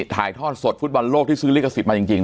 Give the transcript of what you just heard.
ถ่ายทอดสดฟุตบอลโลกที่ซื้อลิขสิทธิ์มาจริง